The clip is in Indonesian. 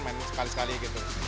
main sekali sekali gitu